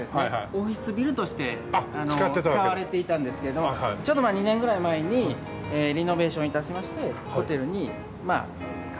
オフィスビルとして使われていたんですけどちょっと２年ぐらい前にリノベーション致しましてホテルにまあ改装といいますか。